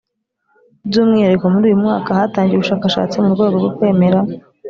Byu umwihariko muri uyu mwaka hatangiye ubushakashatsi mu rwego rwo kwemera